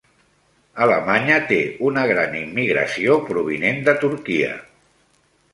Alemanya té una gran immigració provinent de Turquia